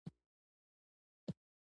دا د حکومت مسوولیت دی.